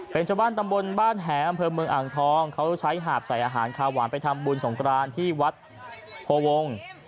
เป็นชาวบ้านตำบลบ้านแหอำเภอเมืองอ่างทองเขาใช้หาบใส่อาหารคาหวานไปทำบุญสงกรานที่วัดโพวงศ์